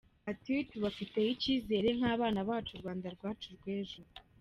Ati "tubafiteho icyizere nk’abana bacu, u Rwanda rwacu rwejo".